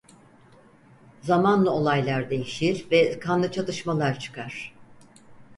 Zamanla olaylar değişir ve kanlı çatışmalar çıkar.